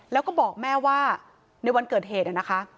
แล้วก็บอกแม่ว่าในวันเกิดเหตุนะคะ